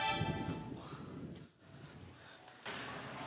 nanti kita cari